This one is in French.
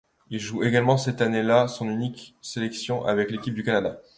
Il joue également cette année-là son unique sélection avec l'équipe du Canada.